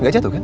gak jatuh kan